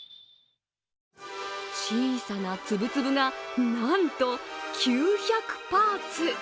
小さな粒々が、なんと９００パーツ。